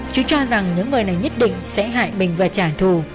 chứ cho rằng những người này nhất định sẽ hại mình và trả thù